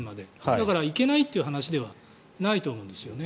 だから、行けないという話ではないと思うんですよね。